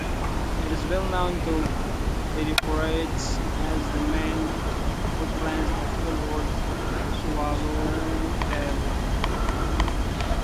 It is well-known to lepidopterists as the main foodplant of the Old World swallowtail.